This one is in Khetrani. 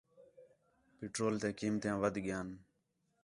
پٹرول تیاں قیمتیاں ودھ ڳیئن